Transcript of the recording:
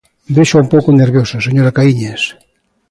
Véxoa un pouco nerviosa, señora Caíñas.